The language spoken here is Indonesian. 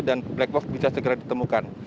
dan black box bisa segera ditemukan